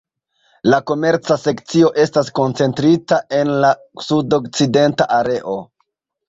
La komerca sekcio estas koncentrita en la sudokcidenta areo.